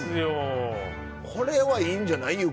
これはいいんじゃない？